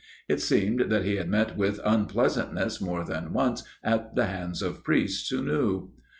It seemed that he had met with unpleasantness more than once at the hands of priests who knew.